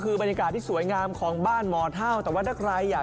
เป็นบรรยากาศที่สวยงามของบ้านหมอเท้า